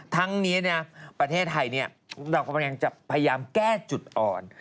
ทั้งนี้ประเทศไทยเรากำลังจะพยายามแก้จุดอ่อน